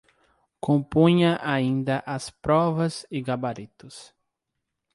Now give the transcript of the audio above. Compunha ainda as provas e gabaritos